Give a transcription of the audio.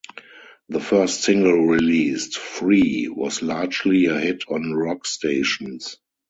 The first single released, "Free", was largely a hit on rock stations.